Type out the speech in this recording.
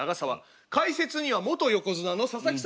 解説には元横綱の佐々木。